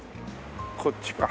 こっちか。